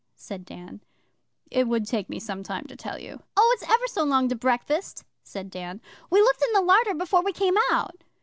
said Dan. 'It would take me some time to tell you.' 'Oh, it's ever so long to breakfast,' said Dan. 'We looked in the larder before we came out.